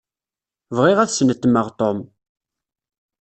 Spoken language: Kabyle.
Bɣiɣ ad snetmeɣ Tom.